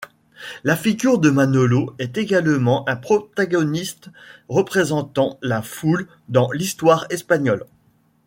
La figure du Manolo est également un protagoniste représentant la foule dans l'histoire espagnole.